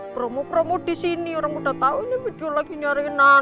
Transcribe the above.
promo promo di sini orang udah tahu ini medjo lagi nyariin anak